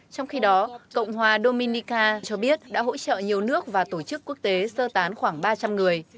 trong khi đó cộng hòa dominica cho biết đã hỗ trợ nhiều nước và tổ chức quốc tế sơ tán khoảng ba trăm linh người